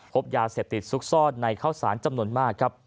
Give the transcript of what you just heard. พบยาเสพติดซุกซ่อนในข้าวสารจำนวนมากครับ